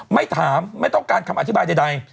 ไม่ถามไม่ต้องการคำอธิบายใด